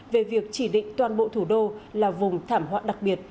về việc chỉ định toàn bộ thủ đô là vùng thảm họa đặc biệt